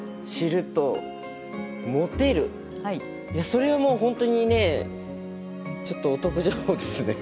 それはもう本当にねちょっとお得情報ですね。